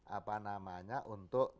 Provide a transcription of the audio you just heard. apa namanya untuk